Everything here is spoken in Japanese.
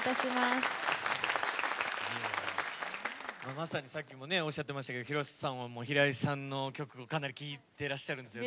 まさに、さっきもおっしゃっていましたけど広瀬さんは平井さんの曲かなり聴いてらっしゃるんですよね。